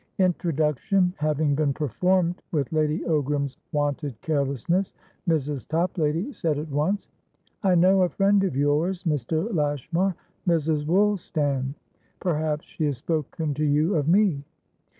Introduction having been performed with Lady Ogram's wonted carelessness, Mrs. Toplady said at once: "I know a friend of yours, Mr. Lashmar, Mrs. Woolstan. Perhaps she has spoken to you of me?"